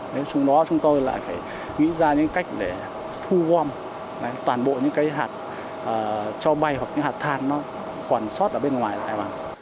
trong đó chúng tôi lại phải nghĩ ra những cách để thu gom toàn bộ những cái hạt cho bay hoặc những hạt than nó quản sót ở bên ngoài lại